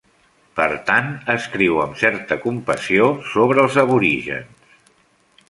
Per tant, escriu amb certa compassió sobre els aborígens.